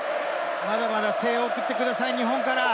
まだまだ声援を送ってください、日本から。